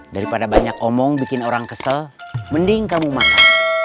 daripada banyak omong bikin orang kesel mending kamu marah